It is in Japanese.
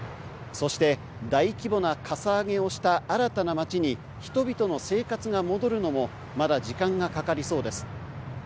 そして大規模なかさ上げをした新たな街に人々の生活が戻るのもまだ時間がかかりそうです。